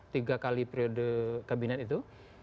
tiga kali periode kabinet itu